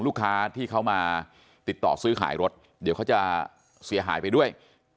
ลูกค้าที่เขามาติดต่อซื้อขายรถเดี๋ยวเขาจะเสียหายไปด้วย